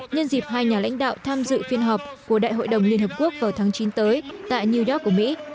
nhân dịp hai nhà lãnh đạo tham dự phiên họp của đại hội đồng liên hợp quốc vào tháng chín tới tại new york của mỹ